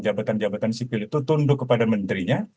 jabatan jabatan sipil itu tunduk kepada menterinya